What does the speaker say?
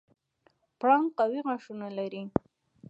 پړانګ قوي غاښونه لري.